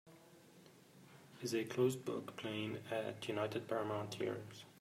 Is A Closed Book playing at United Paramount Theatres